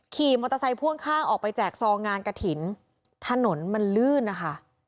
ขี่มอเตอร์ไซค์พ่วงข้างออกไปแจกซองงานกระถิ่นถนนมันลื่นนะคะ